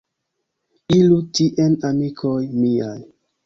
Iru tien amikoj miaj.